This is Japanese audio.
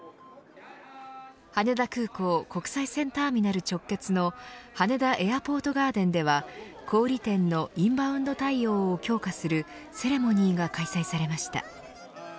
羽田空港国際線ターミナル直結の羽田エアポートガーデンでは小売店のインバウンド対応を強化するセレモニーが開催されました。